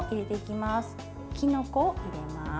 きのこを入れます。